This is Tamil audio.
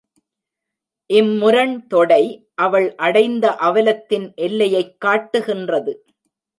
இம்முரண்தொடை அவள் அடைந்த அவலத்தின் எல்லையைக் காட்டுகின்றது.